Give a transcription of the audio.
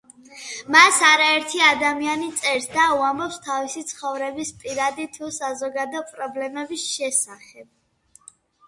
მას არაერთი ადამიანი წერს და უამბობს თავისი ცხოვრების, პირადი, თუ საზოგადო პრობლემების შესახებ.